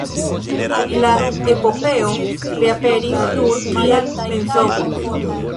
La epopeo reaperis nur kiel mensogo.